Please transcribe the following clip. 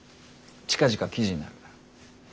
近々記事になる。